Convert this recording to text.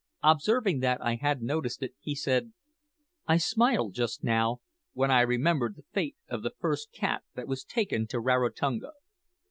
Observing that I had noticed it, he said: "I smiled just now when I remembered the fate of the first cat that was taken to Rarotonga.